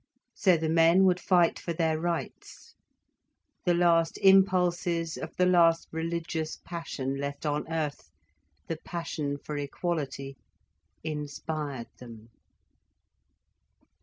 So the men would fight for their rights. The last impulses of the last religious passion left on earth, the passion for equality, inspired them.